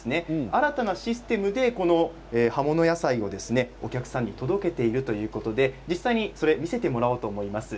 新たなシステムでこの葉物野菜をお客さんに届けているということで実際に見せてもらおうと思います。